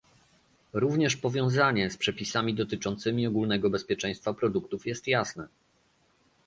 Również powiązanie z przepisami dotyczącymi ogólnego bezpieczeństwa produktów jest jasne